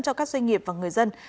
cho các doanh nghiệp và người dân